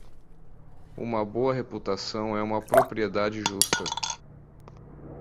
Uma boa reputação é uma propriedade justa.